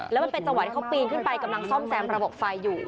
แล้วมันเป็นจังหวะที่เขาปีนขึ้นไปกำลังซ่อมแซมระบบไฟอยู่